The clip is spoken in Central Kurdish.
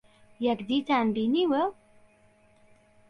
یەکدیتان بینیوە؟